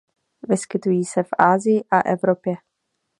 Vyskytují se v Asii a Evropě.